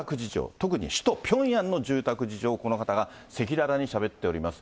特に首都ピョンヤンの住宅事情をこの方が赤裸々に語っております。